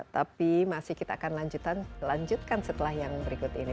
tapi masih kita akan lanjutkan setelah yang berikut ini